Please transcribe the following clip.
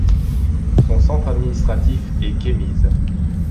Son centre administratif est Kemise.